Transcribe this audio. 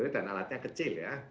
dan alatnya kecil ya